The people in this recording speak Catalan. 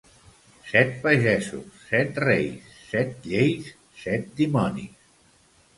Set pagesos, set reis, set lleis, set dimonis.